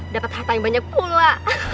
dapat harta yang banyak pula